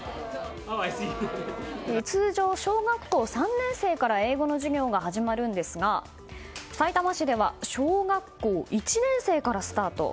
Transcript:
通常、小学校３年生から英語の授業が始まるんですがさいたま市では小学校１年生からスタート。